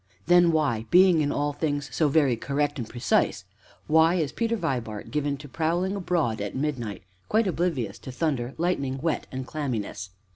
Then why, being in all things so very correct and precise, why is Peter Vibart given to prowling abroad at midnight, quite oblivious to thunder, lightning, wet and clamminess?